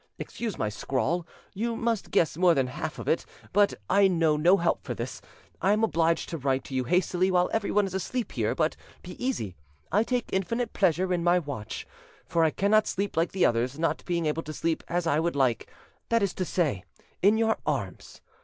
"Excuse my scrawl: you must guess more than the half of it, but I know no help for this. I am obliged to write to you hastily while everyone is asleep here: but be easy, I take infinite pleasure in my watch; for I cannot sleep like the others, not being able to sleep as I would like—that is to say, in your arms.